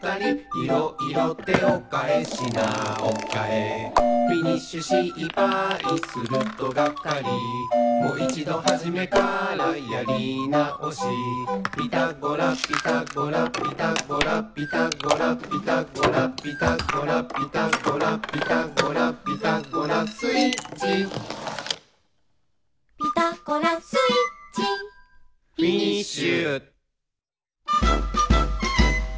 「いろいろ手をかえ品をかえ」「フィニッシュ失敗するとがっかり」「もいちどはじめからやり直し」「ピタゴラピタゴラ」「ピタゴラピタゴラ」「ピタゴラピタゴラ」「ピタゴラピタゴラ」「ピタゴラスイッチ」「ピタゴラスイッチ」「フィニッシュ！」